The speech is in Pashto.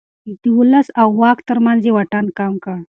د ولس او واک ترمنځ يې واټن کم کړ.